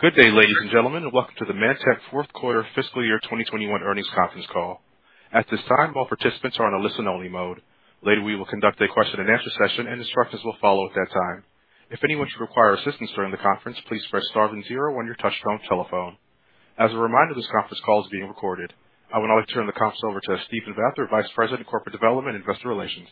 Good day, ladies and gentlemen, and welcome to the ManTech fourth quarter fiscal year 2021 earnings conference call. At this time, all participants are in a listen-only mode. Later, we will conduct a question and answer session, and instructions will follow at that time. If anyone should require assistance during the conference, please press star then zero on your touchtone telephone. As a reminder, this conference call is being recorded. I would now like to turn the conference over to Stephen Vather, Vice President of Corporate Development, Investor Relations.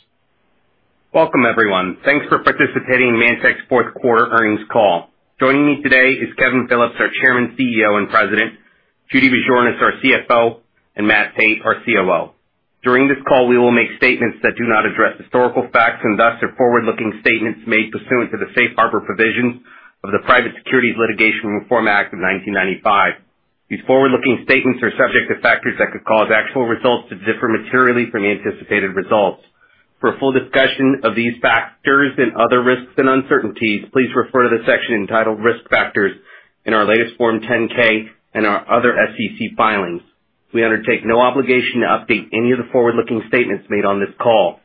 Welcome, everyone. Thanks for participating in ManTech's fourth quarter earnings call. Joining me today is Kevin Phillips, our Chairman, CEO, and President, Judy Bjornaas, our CFO, and Matt Tait, our COO. During this call, we will make statements that do not address historical facts and thus are forward-looking statements made pursuant to the safe harbor provisions of the Private Securities Litigation Reform Act of 1995. These forward-looking statements are subject to factors that could cause actual results to differ materially from the anticipated results. For a full discussion of these factors and other risks and uncertainties, please refer to the section entitled Risk Factors in our latest Form 10-K and our other SEC filings. We undertake no obligation to update any of the forward-looking statements made on this call.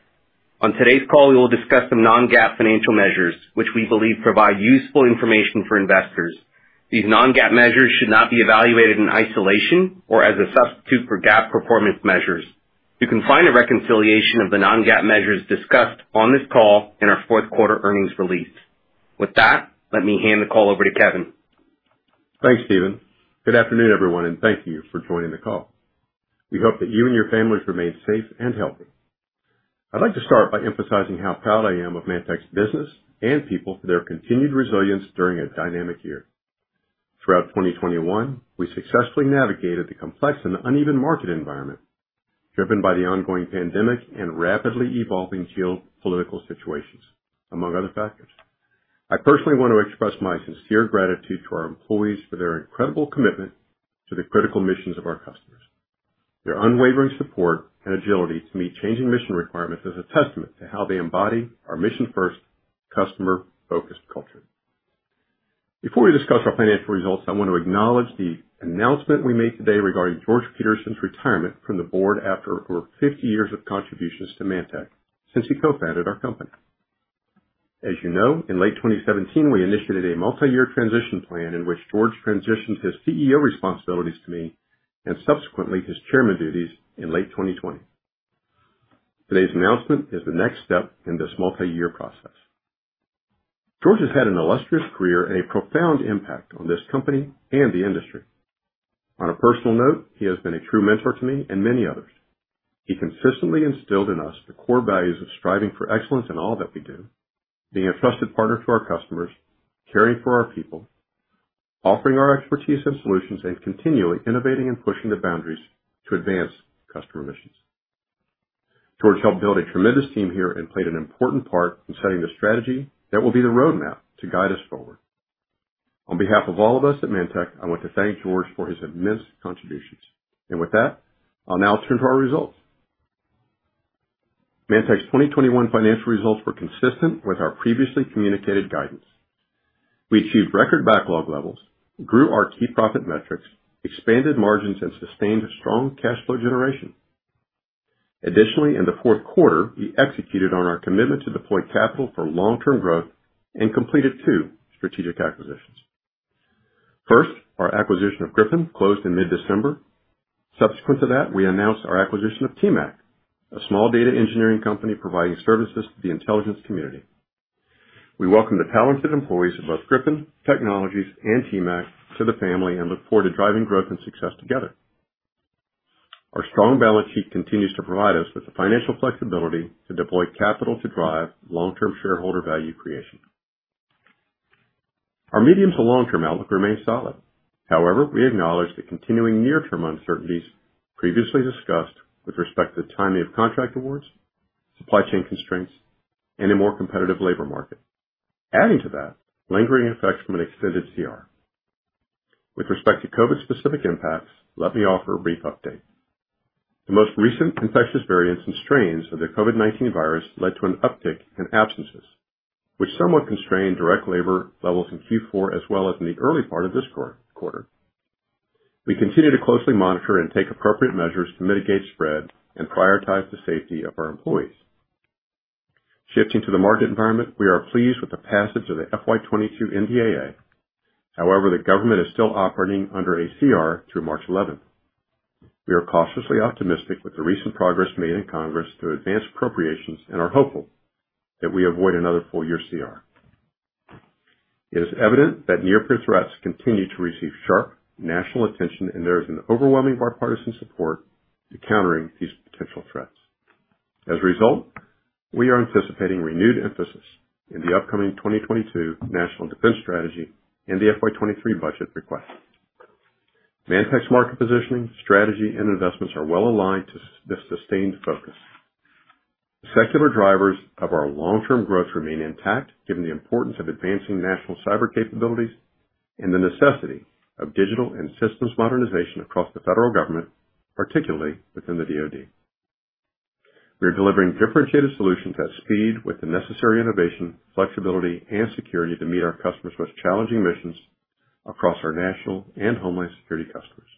On today's call, we will discuss some non-GAAP financial measures which we believe provide useful information for investors. These non-GAAP measures should not be evaluated in isolation or as a substitute for GAAP performance measures. You can find a reconciliation of the non-GAAP measures discussed on this call in our fourth quarter earnings release. With that, let me hand the call over to Kevin. Thanks, Stephen. Good afternoon, everyone, and thank you for joining the call. We hope that you and your families remain safe and healthy. I'd like to start by emphasizing how proud I am of ManTech's business and people for their continued resilience during a dynamic year. Throughout 2021, we successfully navigated the complex and uneven market environment driven by the ongoing pandemic and rapidly evolving geopolitical situations, among other factors. I personally want to express my sincere gratitude to our employees for their incredible commitment to the critical missions of our customers. Their unwavering support and agility to meet changing mission requirements is a testament to how they embody our mission-first customer-focused culture. Before we discuss our financial results, I want to acknowledge the announcement we made today regarding George J. Pedersen's retirement from the board after over 50 years of contributions to ManTech since he co-founded our company. As you know, in late 2017, we initiated a multi-year transition plan in which George transitioned his CEO responsibilities to me and subsequently his Chairman duties in late 2020. Today's announcement is the next step in this multi-year process. George has had an illustrious career and a profound impact on this company and the industry. On a personal note, he has been a true mentor to me and many others. He consistently instilled in us the core values of striving for excellence in all that we do, being a trusted partner to our customers, caring for our people, offering our expertise and solutions, and continually innovating and pushing the boundaries to advance customer missions. George helped build a tremendous team here and played an important part in setting the strategy that will be the roadmap to guide us forward. On behalf of all of us at ManTech, I want to thank George for his immense contributions. With that, I'll now turn to our results. ManTech's 2021 financial results were consistent with our previously communicated guidance. We achieved record backlog levels, grew our key profit metrics, expanded margins, and sustained strong cash flow generation. Additionally, in the fourth quarter, we executed on our commitment to deploy capital for long-term growth and completed two strategic acquisitions. First, our acquisition of Gryphon closed in mid-December. Subsequent to that, we announced our acquisition of TMAC, a small data engineering company providing services to the intelligence community. We welcome the talented employees of both Gryphon Technologies and TMAC to the family and look forward to driving growth and success together. Our strong balance sheet continues to provide us with the financial flexibility to deploy capital to drive long-term shareholder value creation. Our medium to long-term outlook remains solid. However, we acknowledge the continuing near-term uncertainties previously discussed with respect to the timing of contract awards, supply chain constraints, and a more competitive labor market. Adding to that, lingering effects from an extended CR. With respect to COVID-specific impacts, let me offer a brief update. The most recent infectious variants and strains of the COVID-19 virus led to an uptick in absences, which somewhat constrained direct labor levels in Q4 as well as in the early part of this quarter. We continue to closely monitor and take appropriate measures to mitigate spread and prioritize the safety of our employees. Shifting to the market environment, we are pleased with the passage of the FY 2022 NDAA. However, the government is still operating under a CR through March 11. We are cautiously optimistic with the recent progress made in Congress to advance appropriations and are hopeful that we avoid another full year CR. It is evident that near-peer threats continue to receive sharp national attention, and there is an overwhelming bipartisan support to countering these potential threats. As a result, we are anticipating renewed emphasis in the upcoming 2022 National Defense Strategy and the FY 2023 budget request. ManTech's market positioning, strategy, and investments are well aligned to this sustained focus. The secular drivers of our long-term growth remain intact, given the importance of advancing national cyber capabilities and the necessity of digital and systems modernization across the federal government, particularly within the DoD. We are delivering differentiated solutions at speed with the necessary innovation, flexibility, and security to meet our customers' most challenging missions across our national and homeland security customers.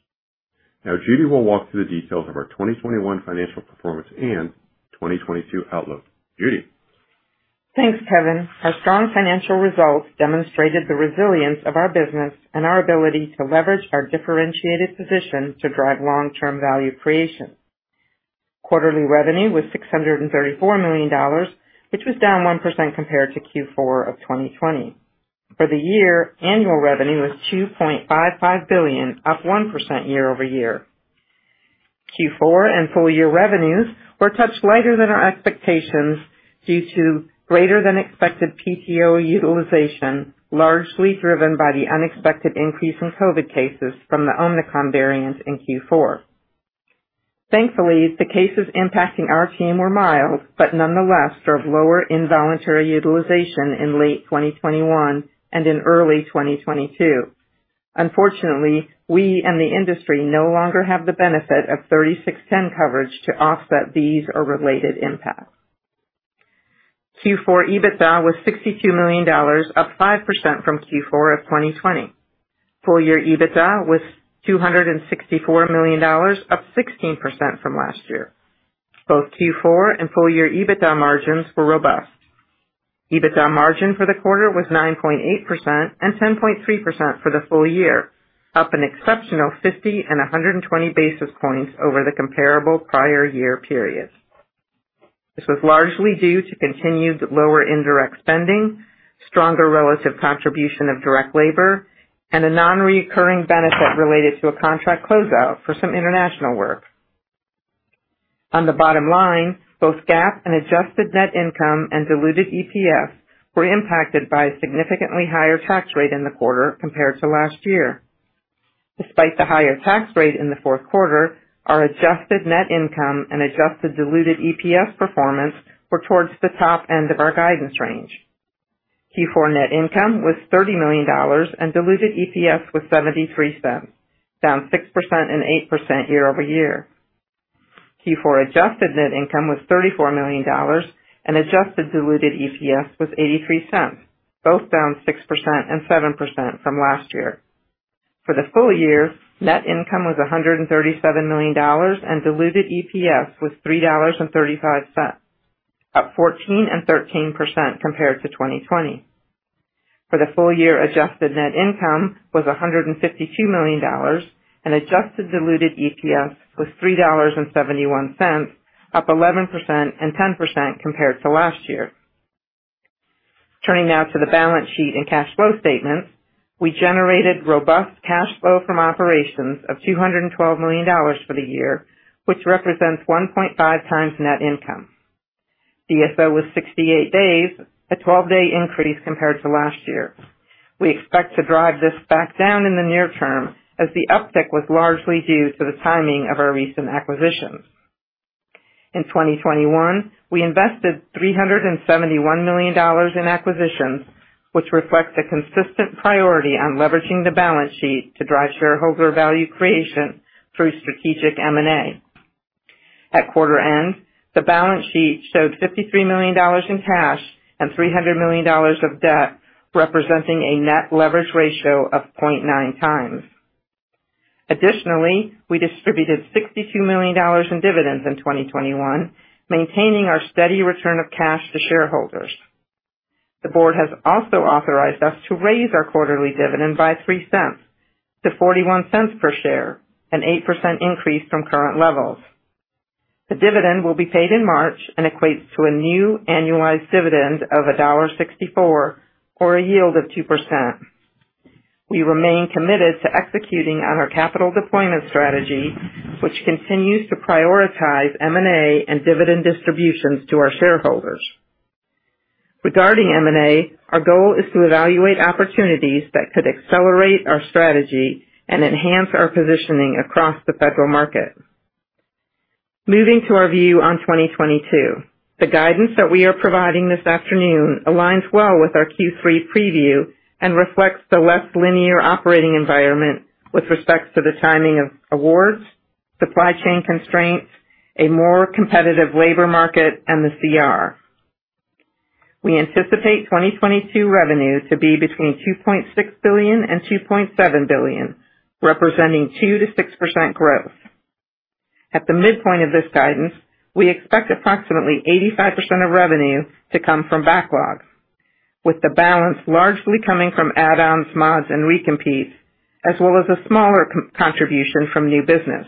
Now Judy will walk through the details of our 2021 financial performance and 2022 outlook. Judy? Thanks, Kevin. Our strong financial results demonstrated the resilience of our business and our ability to leverage our differentiated position to drive long-term value creation. Quarterly revenue was $634 million, which was down 1% compared to Q4 of 2020. For the year, annual revenue was $2.55 billion, up 1% year-over-year. Q4 and full year revenues were a touch lighter than our expectations due to greater than expected PTO utilization, largely driven by the unexpected increase in COVID cases from the Omicron variant in Q4. Thankfully, the cases impacting our team were mild, but nonetheless drove lower involuntary utilization in late 2021 and in early 2022. Unfortunately, we and the industry no longer have the benefit of Section 3610 coverage to offset these or related impacts. Q4 EBITDA was $62 million, up 5% from Q4 of 2020. Full year EBITDA was $264 million, up 16% from last year. Both Q4 and full year EBITDA margins were robust. EBITDA margin for the quarter was 9.8% and 10.3% for the full year, up an exceptional 50 and 120 basis points over the comparable prior year period. This was largely due to continued lower indirect spending, stronger relative contribution of direct labor, and a non-recurring benefit related to a contract closeout for some international work. On the bottom line, both GAAP and adjusted net income and diluted EPS were impacted by a significantly higher tax rate in the quarter compared to last year. Despite the higher tax rate in the fourth quarter, our adjusted net income and adjusted diluted EPS performance were towards the top end of our guidance range. Q4 net income was $30 million and diluted EPS was $0.73, down 6% and 8% year-over-year. Q4 adjusted net income was $34 million and adjusted diluted EPS was $0.83, both down 6% and 7% from last year. For the full year, net income was $137 million and diluted EPS was $3.35, up 14% and 13% compared to 2020. For the full year, adjusted net income was $152 million and adjusted diluted EPS was $3.71, up 11% and 10% compared to last year. Turning now to the balance sheet and cash flow statements. We generated robust cash flow from operations of $212 million for the year, which represents 1.5 times net income. DSO was 68 days, a 12-day increase compared to last year. We expect to drive this back down in the near term as the uptick was largely due to the timing of our recent acquisitions. In 2021, we invested $371 million in acquisitions, which reflects a consistent priority on leveraging the balance sheet to drive shareholder value creation through strategic M&A. At quarter end, the balance sheet showed $53 million in cash and $300 million of debt, representing a net leverage ratio of 0.9x. Additionally, we distributed $62 million in dividends in 2021, maintaining our steady return of cash to shareholders. The board has also authorized us to raise our quarterly dividend by $0.03 to $0.41 per share, an 8% increase from current levels. The dividend will be paid in March and equates to a new annualized dividend of $1.64 or a yield of 2%. We remain committed to executing on our capital deployment strategy, which continues to prioritize M&A and dividend distributions to our shareholders. Regarding M&A, our goal is to evaluate opportunities that could accelerate our strategy and enhance our positioning across the federal market. Moving to our view on 2022. The guidance that we are providing this afternoon aligns well with our Q3 preview and reflects the less linear operating environment with respect to the timing of awards, supply chain constraints, a more competitive labor market, and the CR. We anticipate 2022 revenue to be between $2.6 billion and $2.7 billion, representing 2%-6% growth. At the midpoint of this guidance, we expect approximately 85% of revenue to come from backlogs, with the balance largely coming from add-ons, mods, and recompetes, as well as a smaller contribution from new business.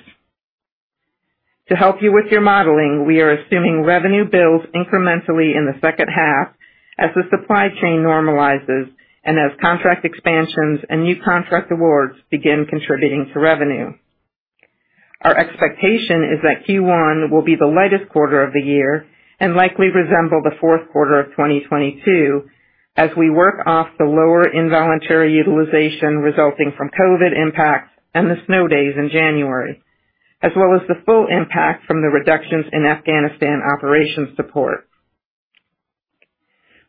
To help you with your modeling, we are assuming revenue builds incrementally in the second half as the supply chain normalizes and as contract expansions and new contract awards begin contributing to revenue. Our expectation is that Q1 will be the lightest quarter of the year and likely resemble the fourth quarter of 2022 as we work off the lower involuntary utilization resulting from COVID impacts and the snow days in January, as well as the full impact from the reductions in Afghanistan operations support.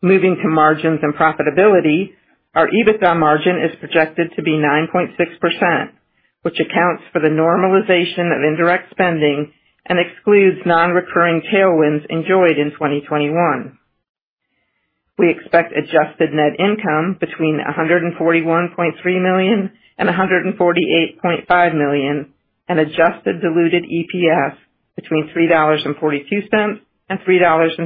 Moving to margins and profitability. Our EBITDA margin is projected to be 9.6%, which accounts for the normalization of indirect spending and excludes non-recurring tailwinds enjoyed in 2021. We expect adjusted net income between $141.3 million and $148.5 million, and adjusted diluted EPS between $3.42 and $3.60.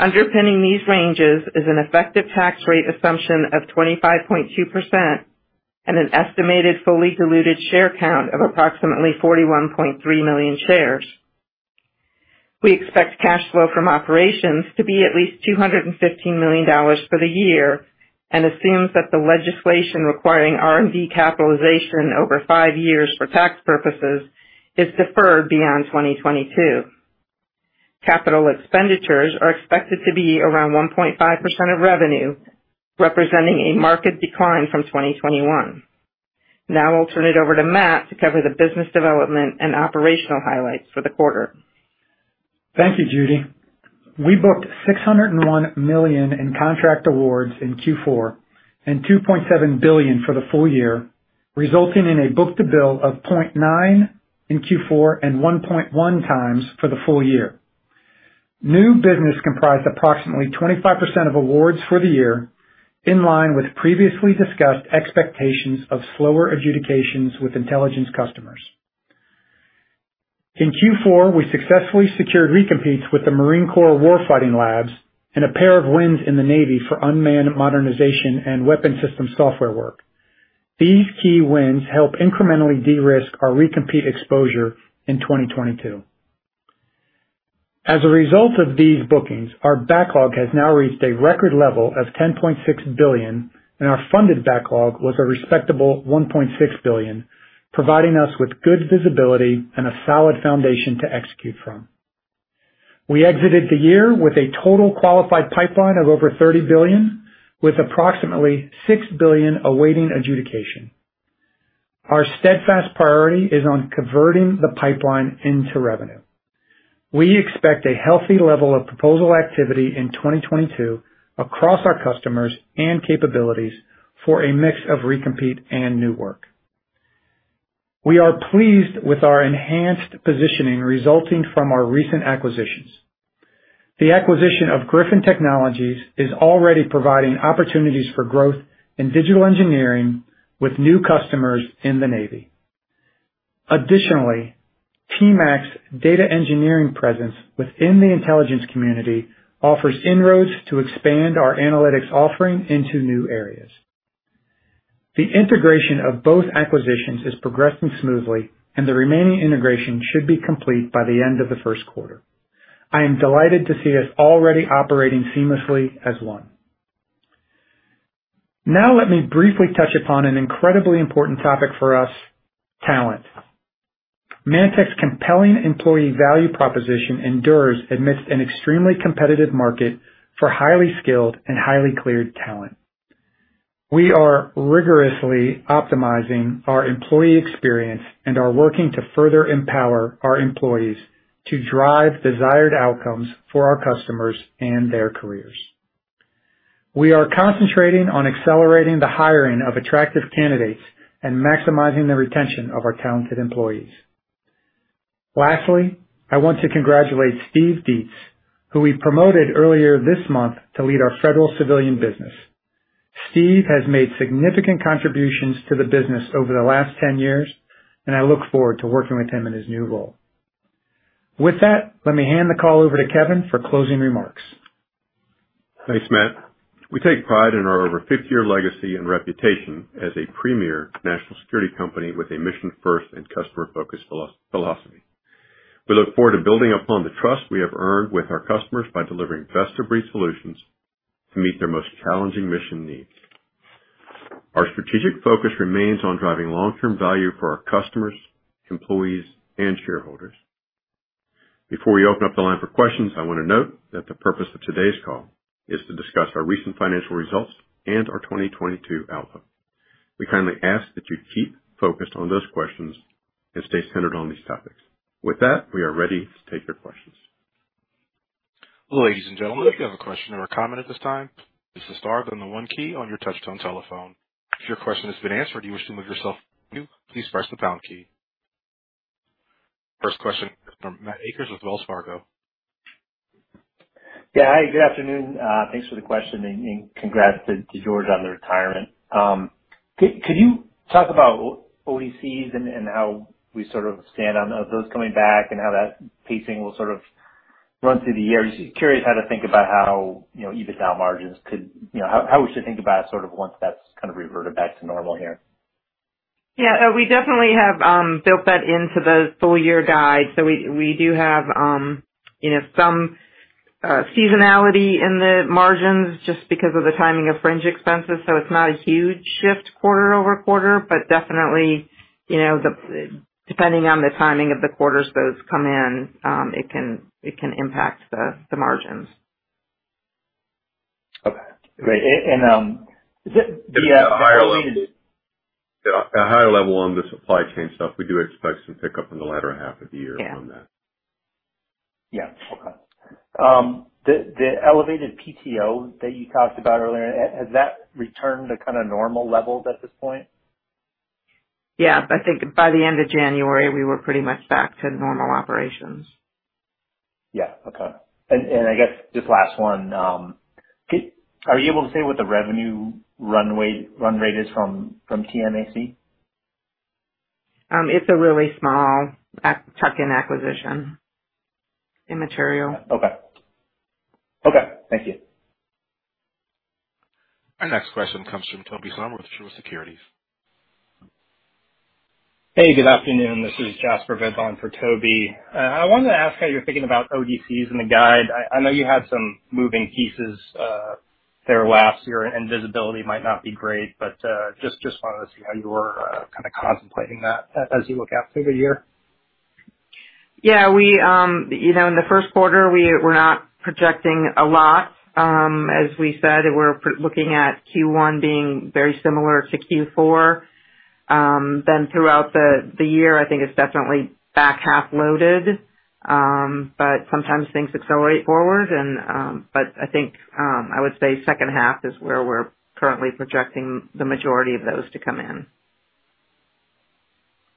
Underpinning these ranges is an effective tax rate assumption of 25.2% and an estimated fully diluted share count of approximately 41.3 million shares. We expect cash flow from operations to be at least $215 million for the year, and assumes that the legislation requiring R&D capitalization over five years for tax purposes is deferred beyond 2022. Capital expenditures are expected to be around 1.5% of revenue, representing a marked decline from 2021. Now I'll turn it over to Matt to cover the business development and operational highlights for the quarter. Thank you, Judy. We booked $601 million in contract awards in Q4, and $2.7 billion for the full year, resulting in a book-to-bill of 0.9 in Q4 and 1.1x for the full year. New business comprised approximately 25% of awards for the year, in line with previously discussed expectations of slower adjudications with intelligence customers. In Q4, we successfully secured recompetes with the Marine Corps Warfighting Laboratory and a pair of wins in the Navy for unmanned modernization and weapon systems software work. These key wins help incrementally de-risk our recompete exposure in 2022. As a result of these bookings, our backlog has now reached a record level of $10.6 billion, and our funded backlog was a respectable $1.6 billion, providing us with good visibility and a solid foundation to execute from. We exited the year with a total qualified pipeline of over $30 billion, with approximately $6 billion awaiting adjudication. Our steadfast priority is on converting the pipeline into revenue. We expect a healthy level of proposal activity in 2022 across our customers and capabilities for a mix of recompete and new work. We are pleased with our enhanced positioning resulting from our recent acquisitions. The acquisition of Gryphon Technologies is already providing opportunities for growth in digital engineering with new customers in the Navy. Additionally, TMAC data engineering presence within the intelligence community offers inroads to expand our analytics offering into new areas. The integration of both acquisitions is progressing smoothly and the remaining integration should be complete by the end of the first quarter. I am delighted to see us already operating seamlessly as one. Now let me briefly touch upon an incredibly important topic for us, talent. ManTech's compelling employee value proposition endures amidst an extremely competitive market for highly skilled and highly cleared talent. We are rigorously optimizing our employee experience and are working to further empower our employees to drive desired outcomes for our customers and their careers. We are concentrating on accelerating the hiring of attractive candidates and maximizing the retention of our talented employees. Lastly, I want to congratulate Steve Deitz, who we promoted earlier this month to lead our Federal Civilian business. Steve has made significant contributions to the business over the last 10 years, and I look forward to working with him in his new role. With that, let me hand the call over to Kevin for closing remarks. Thanks, Matt. We take pride in our over 50-year legacy and reputation as a premier national security company with a mission-first and customer-focused philosophy. We look forward to building upon the trust we have earned with our customers by delivering best-of-breed solutions to meet their most challenging mission needs. Our strategic focus remains on driving long-term value for our customers, employees, and shareholders. Before we open up the line for questions, I want to note that the purpose of today's call is to discuss our recent financial results and our 2022 outlook. We kindly ask that you keep focused on those questions and stay centered on these topics. With that, we are ready to take your questions. First question from Matthew Akers with Wells Fargo. Yeah. Hi, good afternoon. Thanks for the question and congrats to George on the retirement. Could you talk about ODCs and how we sort of stand on those coming back and how that pacing will sort of run through the year? Just curious how to think about how, you know, EBITDA margins could, you know, how we should think about sort of once that's kind of reverted back to normal here. Yeah. We definitely have built that into the full year guide. We do have you know some seasonality in the margins just because of the timing of fringe expenses. It's not a huge shift quarter-over-quarter, but definitely you know the depending on the timing of the quarters those come in, it can impact the margins. Okay. Great. At a higher level on the supply chain stuff, we do expect some pickup in the latter half of the year on that. Has the elevated PTO that you talked about earlier returned to kind of normal levels at this point? Yeah, I think by the end of January, we were pretty much back to normal operations. Yeah. Okay. I guess just last one. Are you able to say what the revenue run rate is from TMAC? It's a really small tuck-in acquisition. Immaterial. Okay. Thank you. Our next question comes from Tobey Sommer with Truist Securities. Hey, good afternoon. This is Jasper Bibb on for Toby. I wanted to ask how you're thinking about ODCs in the guide. I know you had some moving pieces there last year and visibility might not be great, but just wanted to see how you were kind of contemplating that as you look out through the year. Yeah, you know, in the first quarter, we're not projecting a lot. As we said, we're looking at Q1 being very similar to Q4. Throughout the year, I think it's definitely back half loaded. Sometimes things accelerate forward, but I think I would say second half is where we're currently projecting the majority of those to come in.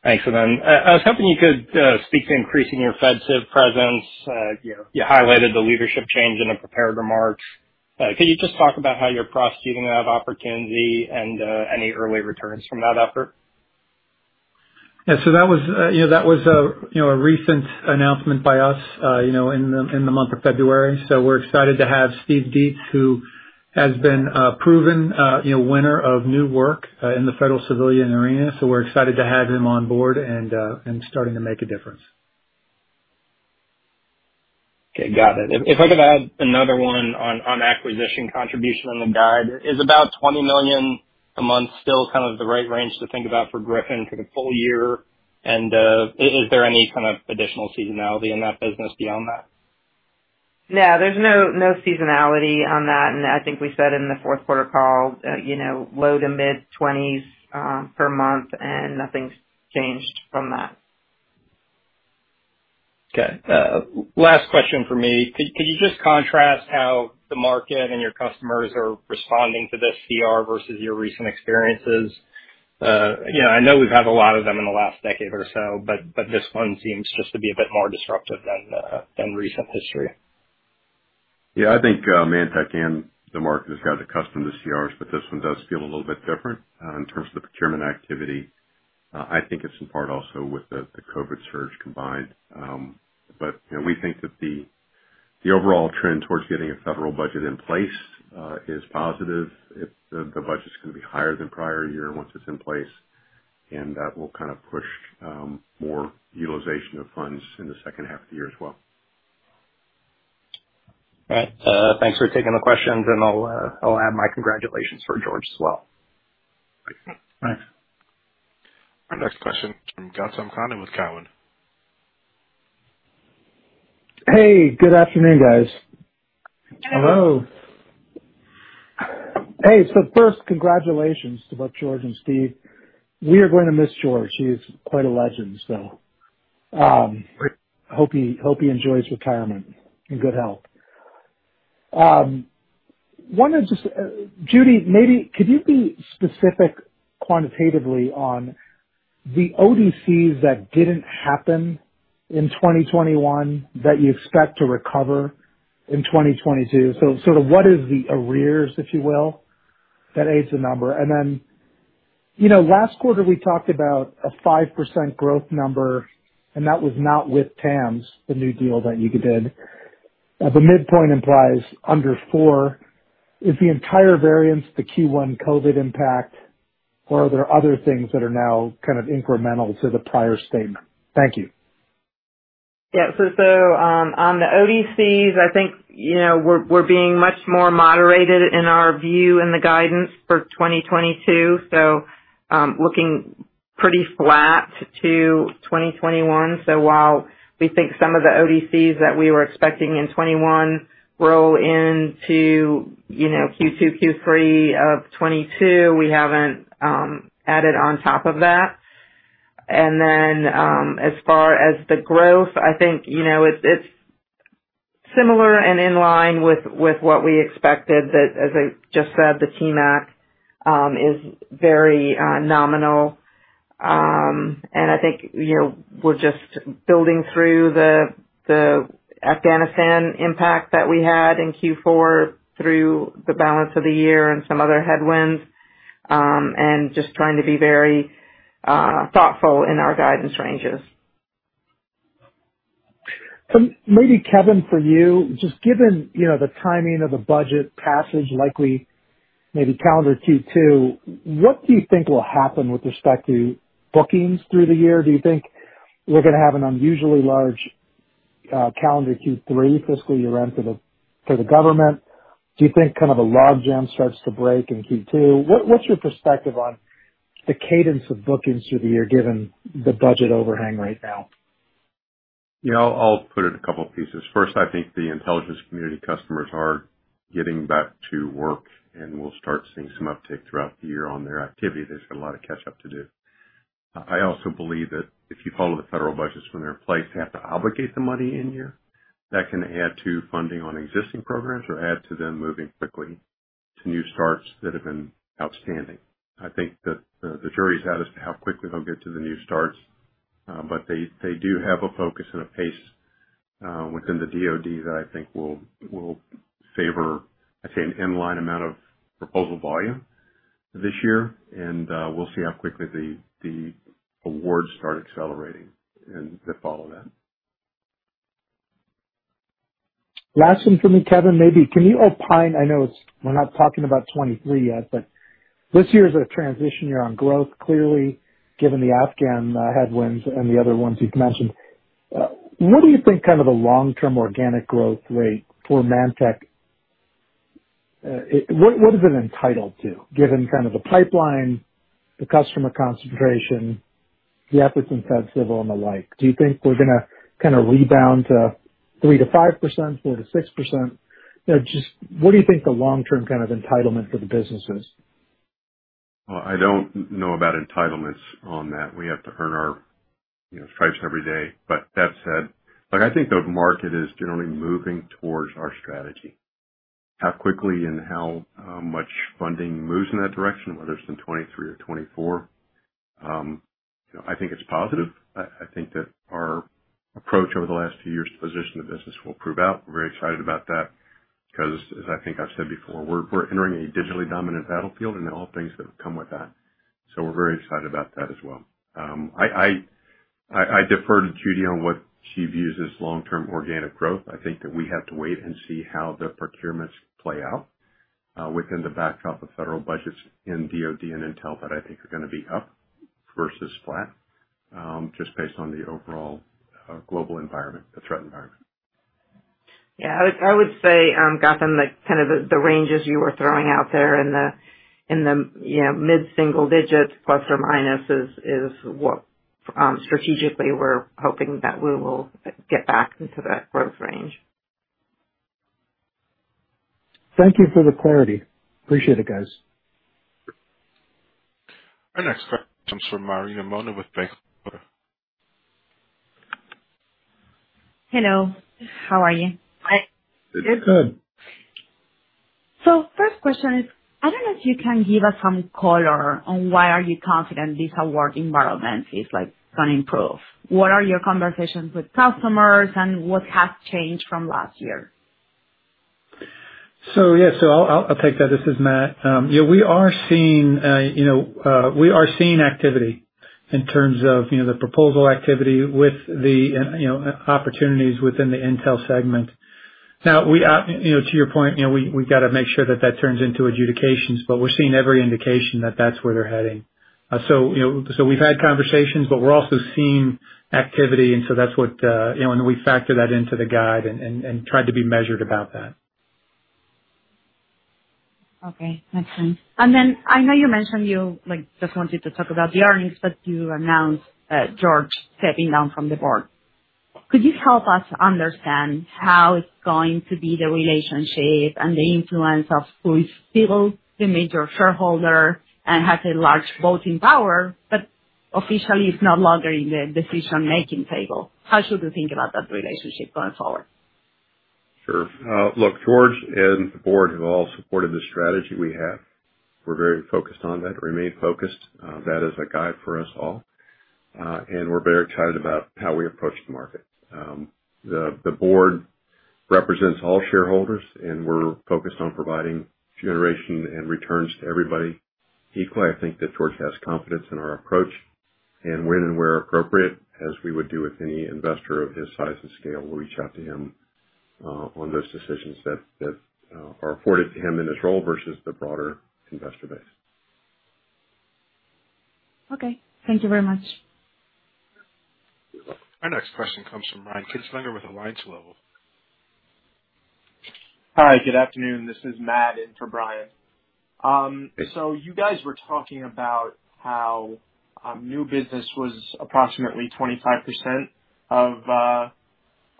Thanks for that. I was hoping you could speak to increasing your Federal Civilian presence. You know, you highlighted the leadership change in a prepared remarks. Could you just talk about how you're prosecuting that opportunity and any early returns from that effort? Yeah. That was a recent announcement by us, you know, in the month of February. We're excited to have Steve Deitz, who has been a proven, you know, winner of new work in the Federal Civilian arena. We're excited to have him on board and starting to make a difference. Okay, got it. If I could add another one on acquisition contribution on the guide. Is it about $20 million a month still kind of the right range to think about for Gryphon for the full year? Is there any kind of additional seasonality in that business beyond that? No, there's no seasonality on that. I think we said in the fourth quarter call, you know, low to mid-20s per month and nothing's changed from that. Okay. Last question for me. Could you just contrast how the market and your customers are responding to this CR versus your recent experiences? You know, I know we've had a lot of them in the last decade or so, but this one seems just to be a bit more disruptive than recent history. Yeah, I think ManTech and the market has got accustomed to CRs, but this one does feel a little bit different in terms of the procurement activity. I think it's in part also with the COVID surge combined. You know, we think that the overall trend towards getting a federal budget in place is positive. It's the budget's gonna be higher than prior year once it's in place, and that will kind of push more utilization of funds in the second half of the year as well. All right. Thanks for taking the questions and I'll add my congratulations for George as well. Thanks. Thanks. Our next question from Gautam Khanna with Cowen. Hey, good afternoon, guys. Hello. Hey, first, congratulations to both George and Steve. We are going to miss George. He's quite a legend, hope he enjoys retirement in good health. Wanted to Judy, maybe could you be specific quantitatively on the ODCs that didn't happen in 2021 that you expect to recover in 2022? Sort of what is the arrears, if you will, that aids the number? And then, you know, last quarter we talked about a 5% growth number, and that was not with TAMs, the new deal that you did. The midpoint implies under 4%. Is the entire variance the Q1 COVID impact, or are there other things that are now kind of incremental to the prior statement? Thank you. Yeah, on the ODCs, I think, you know, we're being much more moderated in our view in the guidance for 2022. Looking pretty flat to 2021. While we think some of the ODCs that we were expecting in 2021 roll into, you know, Q2, Q3 of 2022, we haven't added on top of that. As far as the growth, I think, you know, it's similar and in line with what we expected that, as I just said, the TMAC is very nominal. I think, you know, we're just building through the Afghanistan impact that we had in Q4 through the balance of the year and some other headwinds, and just trying to be very thoughtful in our guidance ranges. Maybe Kevin, for you, just given, you know, the timing of the budget passage, likely maybe calendar Q2, what do you think will happen with respect to bookings through the year? Do you think we're gonna have an unusually large calendar Q3 fiscal year end for the government? Do you think kind of a logjam starts to break in Q2? What's your perspective on the cadence of bookings through the year given the budget overhang right now? Yeah, I'll put it in a couple pieces. First, I think the intelligence community customers are getting back to work, and we'll start seeing some uptick throughout the year on their activity. They've just got a lot of catch up to do. I also believe that if you follow the federal budgets when they're in place, they have to obligate the money in year. That can add to funding on existing programs or add to them moving quickly to new starts that have been outstanding. I think that the jury's out as to how quickly they'll get to the new starts, but they do have a focus and a pace within the DoD that I think will favor, I'd say, an in-line amount of proposal volume this year. We'll see how quickly the awards start accelerating and that follows that. Last one for me, Kevin. Maybe can you opine? I know it's, we're not talking about 2023 yet, but this year is a transition year on growth, clearly, given the Afghan headwinds and the other ones you've mentioned. What do you think kind of the long-term organic growth rate for ManTech? What is it entitled to, given kind of the pipeline, the customer concentration, the efforts in Federal Civilian and the like? Do you think we're gonna kinda rebound to 3%-5%, 4%-6%? You know, just what do you think the long-term kind of entitlement for the business is? Well, I don't know about entitlements on that. We have to earn our, you know, stripes every day. That said, like, I think the market is generally moving towards our strategy. How quickly and how much funding moves in that direction, whether it's in 2023 or 2024, you know, I think it's positive. I think that our approach over the last few years to position the business will prove out. We're very excited about that because as I think I've said before, we're entering a digitally dominant battlefield and all things that come with that. We're very excited about that as well. I defer to Judy on what she views as long-term organic growth. I think that we have to wait and see how the procurements play out, within the backdrop of federal budgets in DoD and Intel that I think are gonna be up versus flat, just based on the overall, global environment, the threat environment. Yeah, I would say, Gautam, like, kind of the ranges you were throwing out there in the, you know, mid-single digits, plus or minus is what strategically we're hoping that we will get back into that growth range. Thank you for the clarity. Appreciate it, guys. Our next question comes from Mariana Perez Mora with. Hello, how are you? Hi. Good, good. First question is, I don't know if you can give us some color on why are you confident this award environment is, like, gonna improve. What are your conversations with customers and what has changed from last year? Yeah, I'll take that. This is Matt. Yeah, we are seeing activity in terms of the proposal activity and opportunities within the intel segment. Now, to your point, we gotta make sure that turns into adjudications, but we're seeing every indication that that's where they're heading. We've had conversations, but we're also seeing activity and that's what we factor into the guide and tried to be measured about that. Okay. Makes sense. I know you mentioned you, like, just wanted to talk about the earnings, but you announced George stepping down from the board. Could you help us understand how it's going to be the relationship and the influence of who is still the major shareholder and has a large voting power, but officially is no longer in the decision-making table? How should we think about that relationship going forward? Sure. Look, George and the board have all supported the strategy we have. We're very focused on that, remain focused. That is a guide for us all. We're very excited about how we approach the market. The board represents all shareholders, and we're focused on providing generation and returns to everybody equally. I think that George has confidence in our approach. When and where appropriate, as we would do with any investor of his size and scale, we'll reach out to him on those decisions that are afforded to him in his role versus the broader investor base. Okay. Thank you very much. Our next question comes from Brian Kinstlinger with Alliance Global Partners. Hi, good afternoon. This is Matt in for Brian. You guys were talking about how new business was approximately 25% of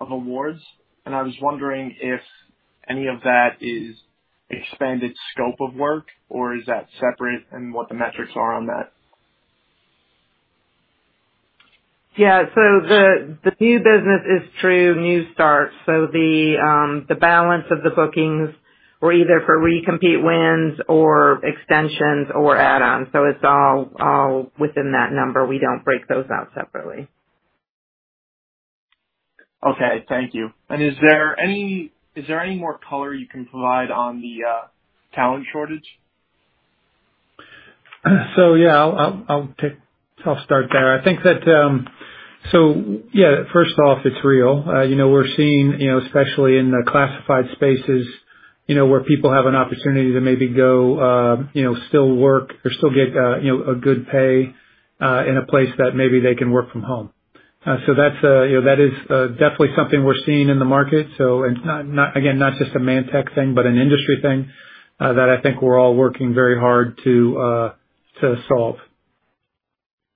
awards. I was wondering if any of that is expanded scope of work, or is that separate and what the metrics are on that? Yeah. The new business is true new start. The balance of the bookings were either for recompete wins or extensions or add-ons, so it's all within that number. We don't break those out separately. Okay. Thank you. Is there any more color you can provide on the talent shortage? Yeah, I'll start, there. I think that, yeah, first off, it's real. You know, we're seeing, you know, especially in the classified spaces, you know, where people have an opportunity to maybe go, you know, still work or still get, you know, a good pay, in a place that maybe they can work from home. That's, you know, that is, definitely something we're seeing in the market. Not again, not just a ManTech thing, but an industry thing, that I think we're all working very hard to solve.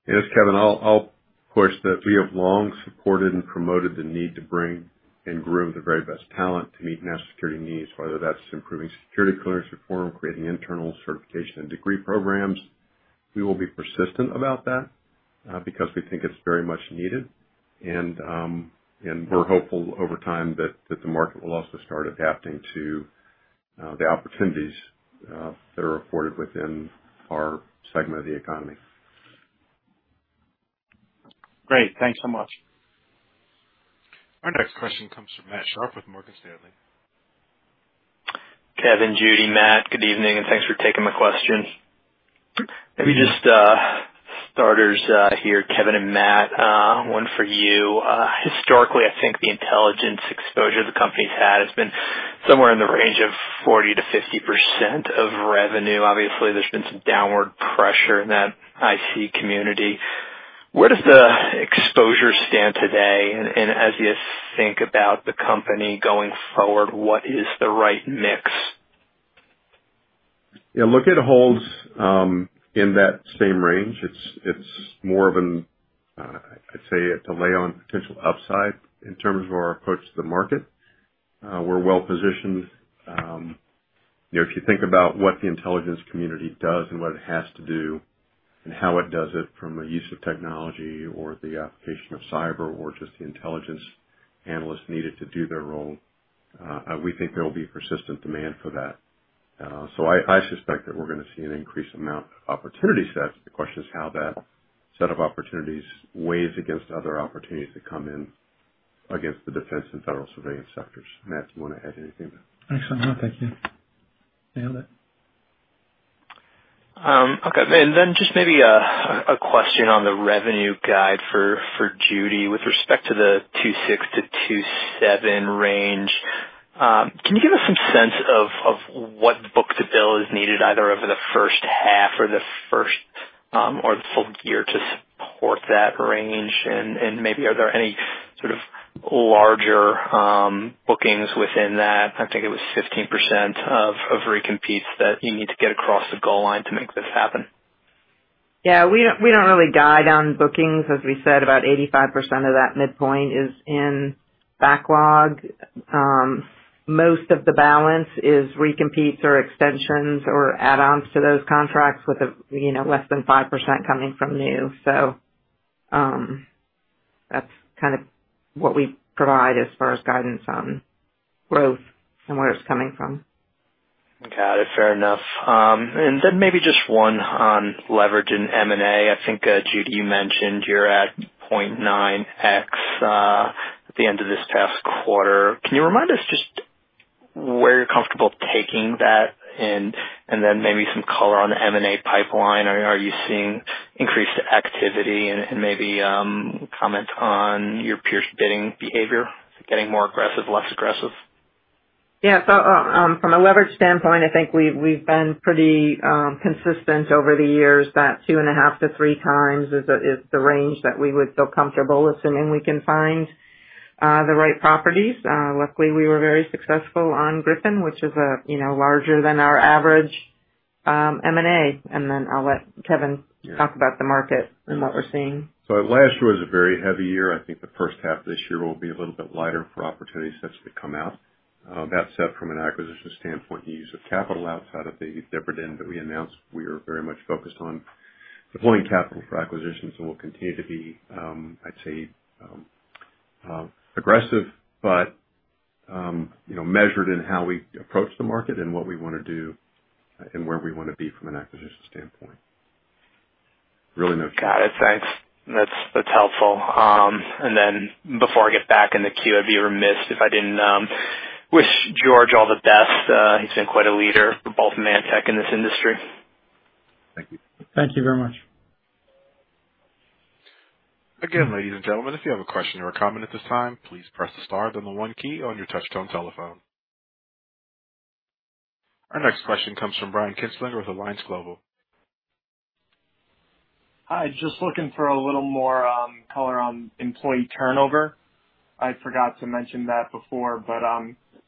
Yes, Kevin, I'll push that we have long supported and promoted the need to bring and groom the very best talent to meet national security needs, whether that's improving security clearance reform, creating internal certification and degree programs. We will be persistent about that, because we think it's very much needed. We're hopeful over time that the market will also start adapting to the opportunities that are afforded within our segment of the economy. Great. Thanks so much. Our next question comes from Matt Sharpe with Morgan Stanley. Kevin, Judy, Matt, good evening, and thanks for taking my questions. Maybe just starters here, Kevin and Matt, one for you. Historically, I think the intelligence exposure the company's had has been somewhere in the range of 40%-50% of revenue. Obviously, there's been some downward pressure in that IC community. Where does the exposure stand today? And as you think about the company going forward, what is the right mix? Yeah, look, it holds in that same range. It's more of an, I'd say, a tailwind potential upside in terms of our approach to the market. We're well-positioned. You know, if you think about what the intelligence community does and what it has to do and how it does it from a use of technology or the application of cyber or just the intelligence analysts needed to do their role, we think there will be persistent demand for that. So I suspect that we're gonna see an increased amount of opportunity sets. The question is how that set of opportunities weighs against other opportunities that come in against the defense and Federal Civilian sectors. Matt, do you wanna add anything? Excellent. No, thank you. Nailed it. Just maybe a question on the revenue guide for Judy with respect to the $2.6 billion-$2.7 billion range. Can you give us some sense of what book-to-bill is needed either over the first half or the first or the full year to support that range? And maybe are there any sort of larger bookings within that? I think it was 15% of recompetes that you need to get across the goal line to make this happen. Yeah, we don't really guide on bookings. As we said, about 85% of that midpoint is in backlog. Most of the balance is recompetes or extensions or add-ons to those contracts with, you know, less than 5% coming from new. That's kinda what we provide as far as guidance on growth and where it's coming from. Got it. Fair enough. Maybe just one on leverage in M&A. I think, Judy, you mentioned you're at 0.9x at the end of this past quarter. Can you remind us just where you're comfortable taking that? Maybe some color on the M&A pipeline. Are you seeing increased activity and maybe comment on your peer bidding behavior getting more aggressive, less aggressive? Yeah. From a leverage standpoint, I think we've been pretty consistent over the years that 2.5-3 times is the range that we would feel comfortable assuming we can find the right properties. Luckily, we were very successful on Gryphon, which is a, you know, larger than our average M&A. I'll let Kevin talk about the market and what we're seeing. Last year was a very heavy year. I think the first half of this year will be a little bit lighter for opportunities as we come out. That said, from an acquisition standpoint, the use of capital outside of the dividend that we announced, we are very much focused on deploying capital for acquisitions and will continue to be, I'd say, aggressive, but, you know, measured in how we approach the market and what we wanna do and where we wanna be from an acquisition standpoint. Really no change. Got it. Thanks. That's helpful. Before I get back in the queue, I'd be remiss if I didn't wish George all the best. He's been quite a leader for both ManTech and this industry. Thank you. Thank you very much. Again, ladies and gentlemen, if you have a question or a comment at this time, please press the star then the one key on your touch-tone telephone. Our next question comes from Brian Kinstlinger with Alliance Global. Hi. Just looking for a little more color on employee turnover. I forgot to mention that before, but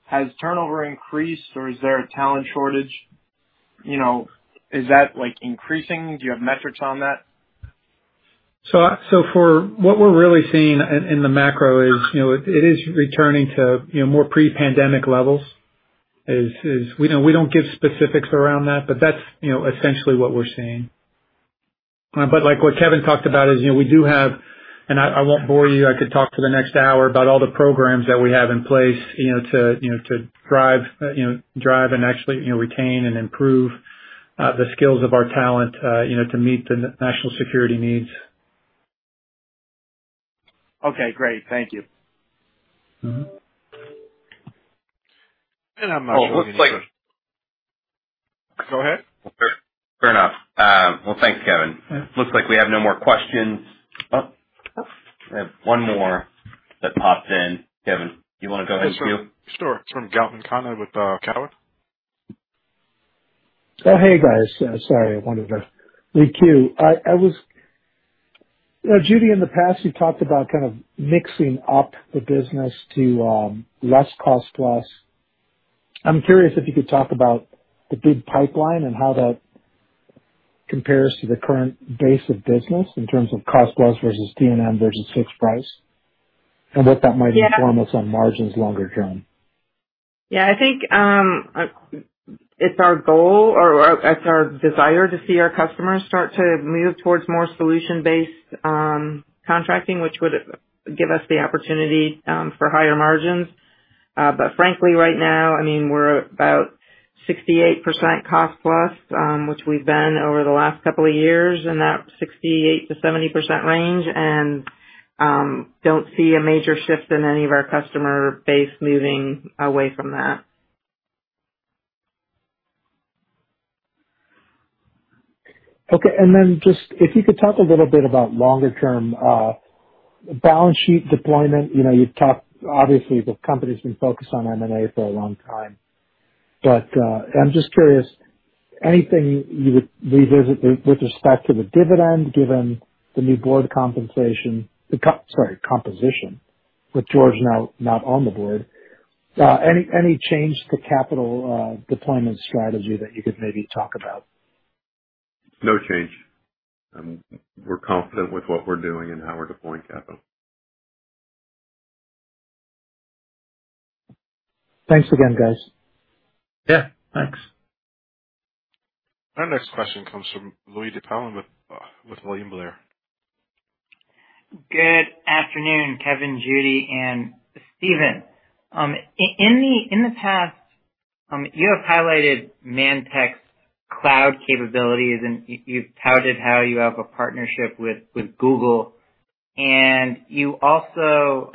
has turnover increased, or is there a talent shortage? You know, is that like increasing? Do you have metrics on that? For what we're really seeing in the macro is, you know, it is returning to, you know, more pre-pandemic levels. We don't give specifics around that, but that's, you know, essentially what we're seeing. Like what Kevin talked about is, you know, we do have. I won't bore you. I could talk for the next hour about all the programs that we have in place, you know, to drive and actually retain and improve the skills of our talent, you know, to meet the national security needs. Okay, great. Thank you. Mm-hmm. I'm not sure. Go ahead. Fair enough. Well, thanks, Kevin. Yeah. Looks like we have no more questions. Oh, we have one more that popped in. Kevin, do you wanna go ahead and queue? Sure. It's from Gautam Khanna with Cowen. Oh, hey, guys. Sorry, I wanted to lead queue. Now, Judy, in the past, you talked about kind of mixing up the business to less cost plus. I'm curious if you could talk about the big pipeline and how that compares to the current base of business in terms of cost plus versus T&M versus fixed price, and what that might inform us on margins longer term. Yeah, I think it's our goal or it's our desire to see our customers start to move towards more solution-based contracting, which would give us the opportunity for higher margins. Frankly, right now, I mean, we're about 68% cost plus, which we've been over the last couple of years in that 68%-70% range. We don't see a major shift in any of our customer base moving away from that. Okay. Then just if you could talk a little bit about longer-term balance sheet deployment. You know, you've talked, obviously, the company's been focused on M&A for a long time, but I'm just curious, anything you would revisit with respect to the dividend given the new board composition with George now not on the board? Any change to capital deployment strategy that you could maybe talk about? No change. We're confident with what we're doing and how we're deploying capital. Thanks again, guys. Yeah. Thanks. Our next question comes from Louie DiPalma with William Blair. Good afternoon, Kevin, Judy, and Stephen. In the past, you have highlighted ManTech's cloud capabilities, and you've touted how you have a partnership with Google. You also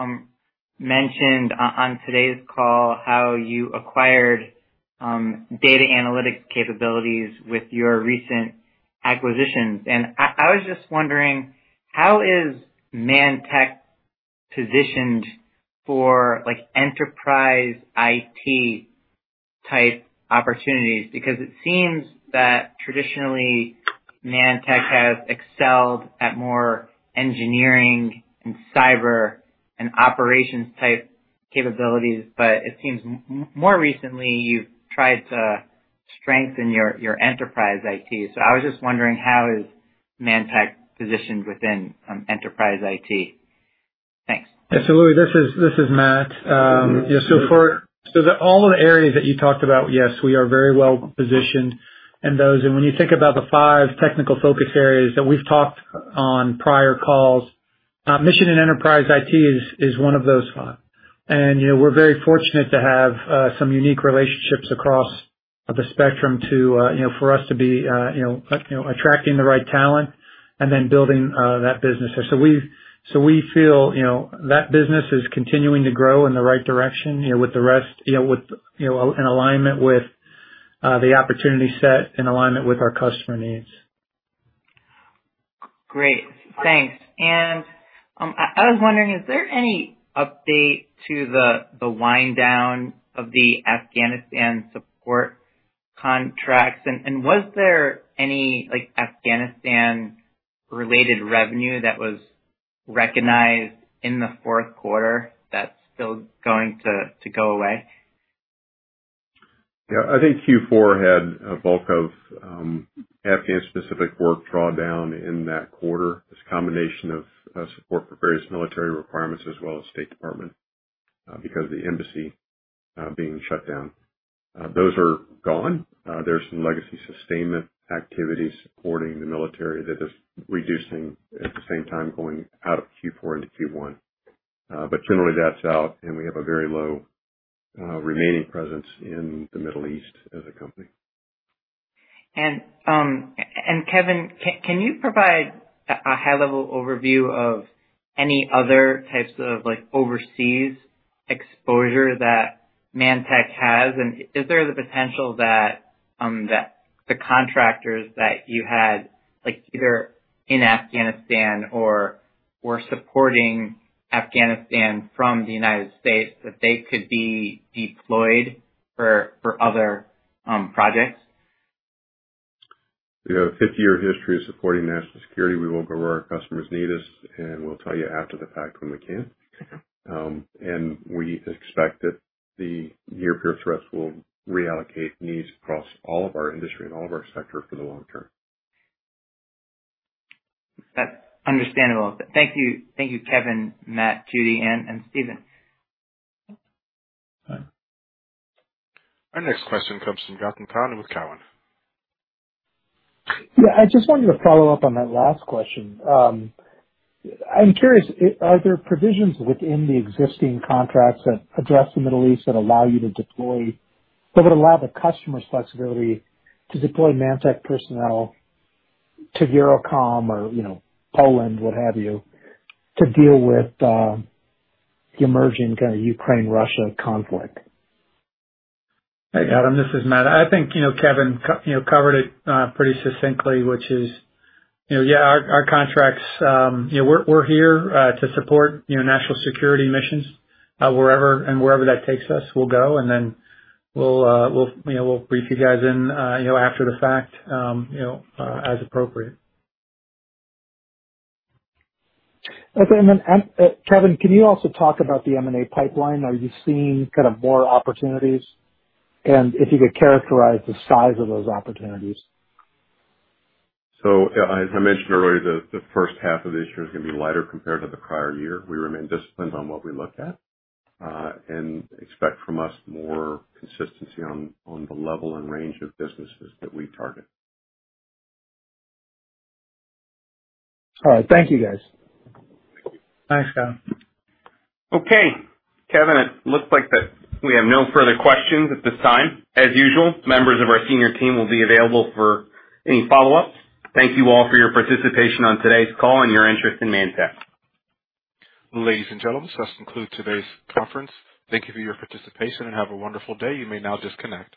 mentioned on today's call how you acquired data analytics capabilities with your recent acquisitions. I was just wondering how is ManTech positioned for like enterprise IT type opportunities? Because it seems that traditionally ManTech has excelled at more engineering and cyber and operations type capabilities, but it seems more recently you've tried to strengthen your enterprise IT. I was just wondering, how is ManTech positioned within enterprise IT? Thanks. Louis, this is Matt. For all the areas that you talked about, yes, we are very well positioned in those. When you think about the five technical focus areas that we've talked on prior calls, mission and enterprise IT is one of those five. You know, we're very fortunate to have some unique relationships across the spectrum to you know for us to be you know attracting the right talent and then building that business. We feel, you know, that business is continuing to grow in the right direction, you know, with the rest, you know, with, you know, in alignment with the opportunity set, in alignment with our customer needs. Great. Thanks. I was wondering, is there any update to the wind down of the Afghanistan support contracts? And was there any, like, Afghanistan related revenue that was recognized in the fourth quarter that's still going to go away? Yeah, I think Q4 had a bulk of Afghan specific work draw down in that quarter. It's a combination of support for various military requirements as well as State Department because of the embassy being shut down. Those are gone. There's some legacy sustainment activities supporting the military that is reducing at the same time going out of Q4 into Q1. But generally that's out and we have a very low remaining presence in the Middle East as a company. Kevin, can you provide a high-level overview of any other types of like, overseas exposure that ManTech has? Is there the potential that the contractors that you had, like either in Afghanistan or were supporting Afghanistan from the United States, that they could be deployed for other projects? We have a 50-year history of supporting national security. We will go where our customers need us and we'll tell you after the fact when we can. We expect that the near peer threats will reallocate needs across all of our industry and all of our sector for the long term. That's understandable. Thank you. Thank you, Kevin, Matt, Judy, and Stephen. Bye. Our next question comes from Gautam Khanna with Cowen. Yeah, I just wanted to follow up on that last question. I'm curious, are there provisions within the existing contracts that address the Middle East that allow you to deploy, that would allow the customers flexibility to deploy ManTech personnel to EUCOM or, you know, Poland, what have you, to deal with the emerging Ukraine-Russia conflict? Hey, Gautam, this is Matt. I think, you know, Kevin, you know, covered it pretty succinctly, which is, you know, yeah, our contracts, you know, we're here to support, you know, national security missions, wherever that takes us, we'll go and then we'll, you know, brief you guys in, you know, as appropriate. Okay. Kevin, can you also talk about the M&A pipeline? Are you seeing kind of more opportunities? If you could characterize the size of those opportunities? As I mentioned earlier, the first half of this year is gonna be lighter compared to the prior year. We remain disciplined on what we look at and expect from us more consistency on the level and range of businesses that we target. All right. Thank you, guys. Thanks, Gautam. Okay, Kevin, it looks like that we have no further questions at this time. As usual, members of our senior team will be available for any follow-ups. Thank you all for your participation on today's call and your interest in ManTech. Ladies and gentlemen, this concludes today's conference. Thank you for your participation and have a wonderful day. You may now disconnect.